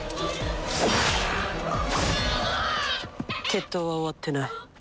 決闘は終わってない。